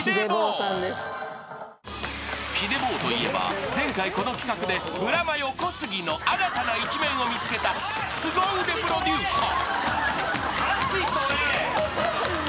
［ＨｉｄｅｂｏＨといえば前回この企画でブラマヨ小杉の新たな一面を見つけたすご腕プロデューサー］